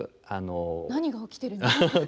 何が起きてるのか？